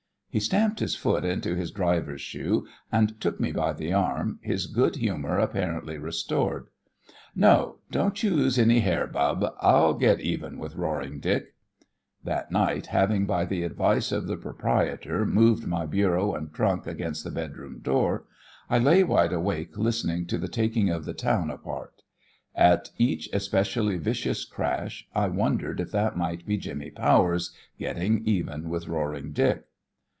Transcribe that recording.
He stamped his foot into his driver's shoe and took me by the arm, his good humour apparently restored. "No, don't you lose any hair, bub; I'll get even with Roaring Dick." That night, having by the advice of the proprietor moved my bureau and trunk against the bedroom door, I lay wide awake listening to the taking of the town apart. At each especially vicious crash I wondered if that might be Jimmy Powers getting even with Roaring Dick.